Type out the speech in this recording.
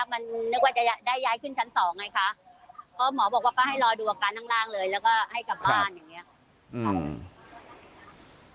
มันนึกว่าจะได้ย้ายขึ้นชั้นสองไงค่ะเพราะหมอบอกว่าก็ให้รอดูอาการล่างเลย